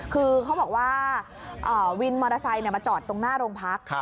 คือเขาบอกว่าวินมอเตอร์ไซค์มาจอดตรงหน้าโรงพัก